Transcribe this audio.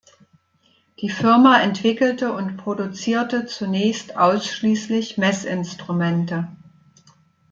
Die Firma entwickelte und produzierte zunächst ausschließlich Messinstrumente.